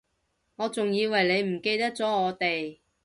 我仲以為你唔記得咗我哋